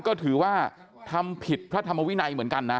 ก็ถือว่าทำผิดพระธรรมวินัยเหมือนกันนะ